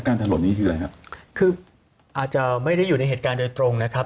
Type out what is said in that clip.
ถนนนี้คืออะไรฮะคืออาจจะไม่ได้อยู่ในเหตุการณ์โดยตรงนะครับ